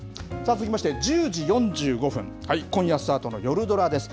続きまして、１０時４５分、今夜スタートの夜ドラです。